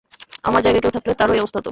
আমার জায়গায় কেউ থাকলে তারও এই অবস্থা হতো।